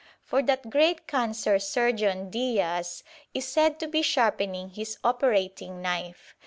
For that great cancer "Surgeon" Diaz is said to be sharpening his operating knife.